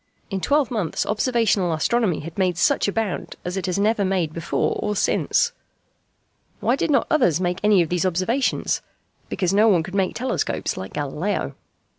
In twelve months observational astronomy had made such a bound as it has never made before or since. Why did not others make any of these observations? Because no one could make telescopes like Galileo.